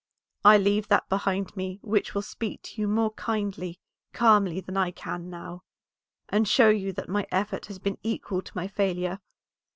I leave that behind me which will speak to you more kindly, calmly than I can now, and show you that my effort has been equal to my failure.